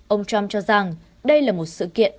ông trump cho rằng đây là một sự kiện đáng buồn